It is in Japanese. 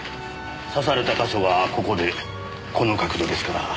刺された箇所がここでこの角度ですから。